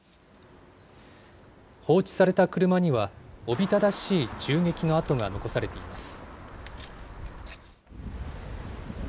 放置された車には、おびただしい銃撃の痕が残されています。